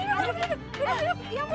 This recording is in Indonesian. aduh aduh aduh